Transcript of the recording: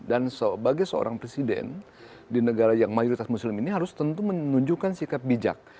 dan sebagai seorang presiden di negara yang mayoritas muslim ini harus tentu menunjukkan sikap bijak